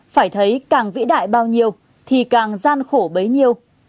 phải thấy càng vĩ đại bao nhiêu thì càng gian khổ bấy nhiêu